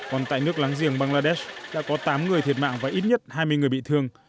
còn tại nước láng giềng bangladesh đã có tám người thiệt mạng và ít nhất hai mươi người bị thương